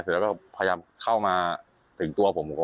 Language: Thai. เสร็จแล้วก็พยายามเข้ามาถึงตัวผม